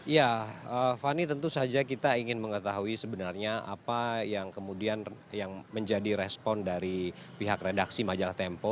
ya fani tentu saja kita ingin mengetahui sebenarnya apa yang kemudian yang menjadi respon dari pihak redaksi majalah tempo